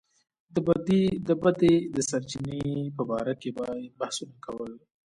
د بدۍ د سرچينې په باره کې به يې بحثونه کول.